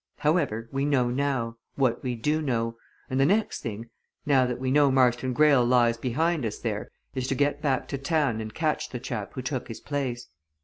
However we know now what we do know. And the next thing, now that we know Marston Greyle lies behind us there, is to get back to town and catch the chap who took his place.